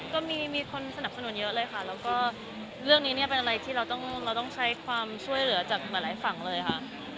ก็มีคนสนับสนุนเยอะเลยค่ะแล้วก็เรื่องนี้เนี่ยเป็นอะไรที่เราต้องเราต้องใช้ความช่วยเหลือจากหลายฝั่งเลยค่ะ